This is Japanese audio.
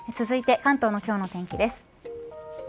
続いて、関東の今日の天気です。